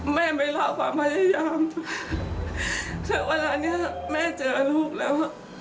ไม่รับความพยายามแต่เวลานี้แม่เจอลูกแล้ว